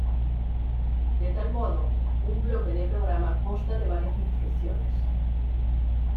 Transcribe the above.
De tal modo, un bloque de programa consta de varias instrucciones.